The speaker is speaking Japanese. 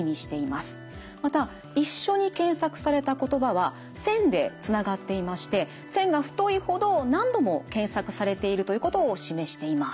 また一緒に検索された言葉は線でつながっていまして線が太いほど何度も検索されているということを示しています。